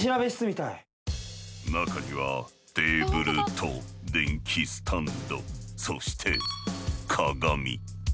中にはテーブルと電気スタンドそして鏡。